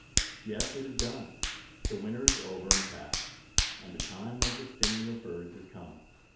Yes, it is done. The winter is over and past, and "the time of the singing of birds is come."